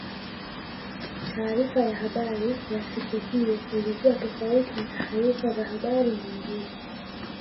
taarifa ya habari ya siku hiyo ilikuwa tofauti na taarifa za habari nyingine